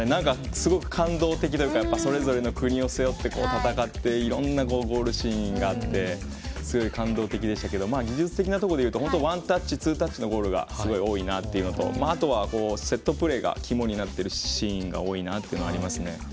すごく感動的というかそれぞれの国を背負って戦っていろんなゴールシーンがあってすごい感動的でしたが技術的なことでいうとワンタッチツータッチのゴールがすごく多いなというのとあとは、セットプレーが肝になっているシーンが多いなというのはありますね。